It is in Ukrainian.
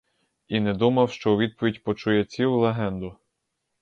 І не думав, що у відповідь почує цілу легенду.